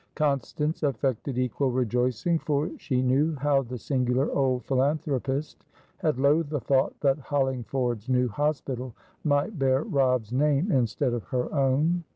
Constance affected equal rejoicing, for she knew how the singular old philanthropist had loathed the thought that Hollingford's new hospital might bear Robb's name instead of her own.